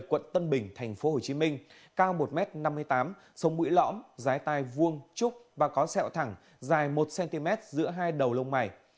cao một m năm mươi tám sống mũi lõng giá tay vuông trúc và có sẹo thẳng dài một cm giữa hai đầu lông mày